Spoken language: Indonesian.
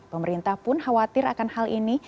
pemerintah pun khawatir akan hal ini